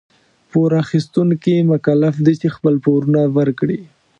پور اخيستونکي مکلف دي چي خپل پورونه ورکړي.